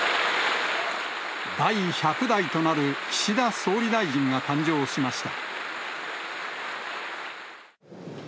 第１００代となる岸田総理大臣が誕生しました。